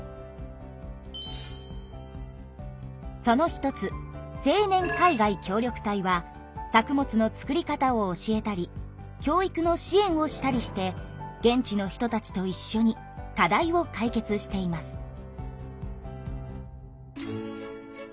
その一つ青年海外協力隊は作物の作り方を教えたり教育の支援をしたりして現地の人たちといっしょに課題を解決しています。